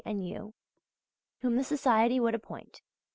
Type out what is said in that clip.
and you whom the society would appoint.